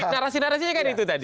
narasi narasinya kan itu tadi